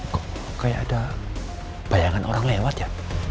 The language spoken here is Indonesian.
kok kayak ada bayangan orang lewat ya